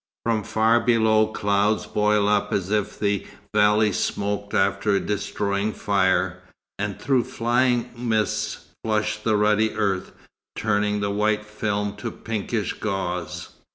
From far below clouds boil up as if the valleys smoked after a destroying fire, and through flying mists flush the ruddy earth, turning the white film to pinkish gauze.